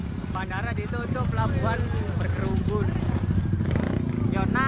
nah bandara di itu itu pelabuhan bergerung gerung